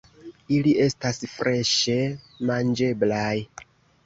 Ili estas freŝe manĝeblaj.